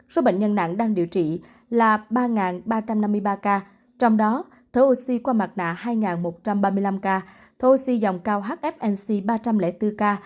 số bệnh nhân nặng đang điều trị là ba ba trăm năm mươi ba ca trong đó thở oxy qua mặt nạ hai một trăm ba mươi năm ca thô dòng cao hfnc ba trăm linh bốn ca